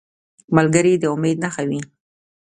ملګری د امید نښه وي